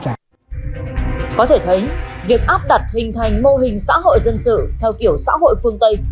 có thể thấy việc áp đặt hình thành mô hình xã hội dân sự theo kiểu xã hội phương tây